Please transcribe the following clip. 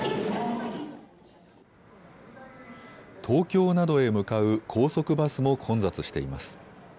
東京などへ向かう高速バスも混雑しています。